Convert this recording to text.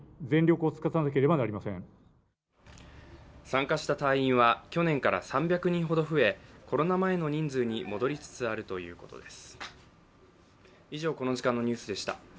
参加した隊員は去年から３００人ほど増えコロナ前の人数に戻りつつあるということです。